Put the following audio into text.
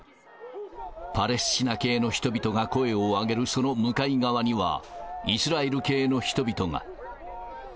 パレスチナ系の人々が声を上げるその向かい側には、イスラエル系の人々が。